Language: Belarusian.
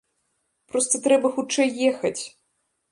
Проста трэба хутчэй ехаць!